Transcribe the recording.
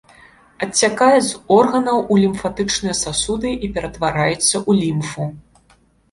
Адцякае з органаў у лімфатычныя сасуды і ператвараецца ў лімфу.